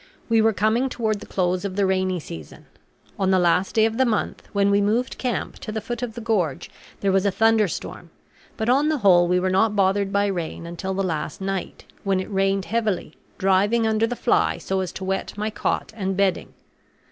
We were coming toward the close of the rainy season. On the last day of the month, when we moved camp to the foot of the gorge, there was a thunder storm; but on the whole we were not bothered by rain until the last night, when it rained heavily, driving under the fly so as to wet my cot and bedding.